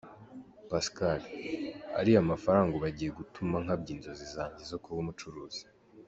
Pascal : “Ariya mafaranga ubu agiye gutuma nkabya inzozi zanjye zo kuba umucuruzi.